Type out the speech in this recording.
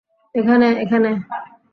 এখানে, এখানে।